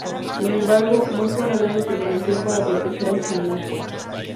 Sin embargo, muestra una gran determinación para proteger a sus amigos.